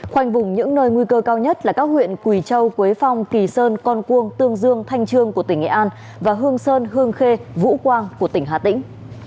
khoanh vùng những nơi nguy cơ cao nhất là các huyện quỳ châu quế phong kỳ sơn con cuông tương dương thanh trương của tỉnh nghệ an và hương sơn hương khê vũ quang của tỉnh hà tĩnh